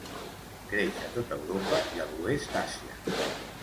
Creix a tota Europa i a l'oest d'Àsia.